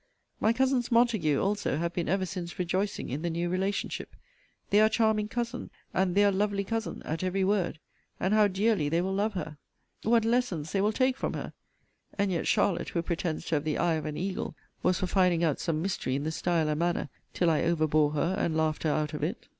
My cousins Montague also have been ever since rejoicing in the new relationship. Their charming cousin, and their lovely cousin, at every word! And how dearly they will love he! What lessons they will take from her! And yet Charlotte, who pretends to have the eye of an eagle, was for finding out some mystery in the style and manner, till I overbore her, and laughed her out of it.